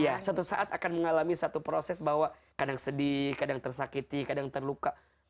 iya satu saat akan mengalami satu proses bahwa kadang sedih kadang tersakiti kadang terluka